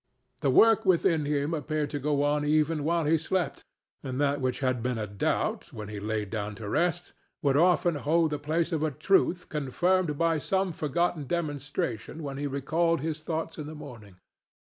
The work within him appeared to go on even while he slept, and that which had been a doubt when he laid down to rest would often hold the place of a truth confirmed by some forgotten demonstration when he recalled his thoughts in the morning.